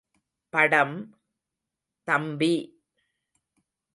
படம் – தம்பி!...